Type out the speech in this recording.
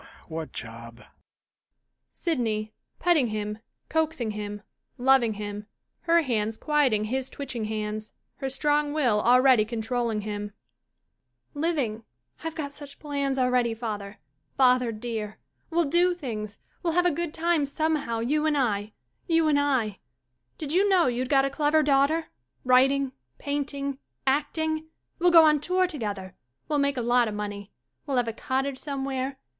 "] What job? SYDNEY ^Petting him, coaxing him, loving him, her hands quiet ing his twitching hands, her strong will already con trolling him,] Living. I've got such plans already, father — father, dear! We'll do things. We'll have a good time somehow, you and I — you and I. Did you know you'd got a clever daughter? Writing — paint ing — acting! We'll go on tour together. Well make a lot of money. We'll have a cottage some where.